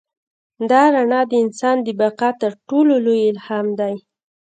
دا رڼا د انسان د بقا تر ټولو لوی الهام دی.